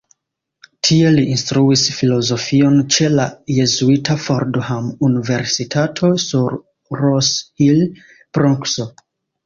Tie li instruis filozofion ĉe la jezuita Fordham-universitato sur Rose Hill, Bronkso.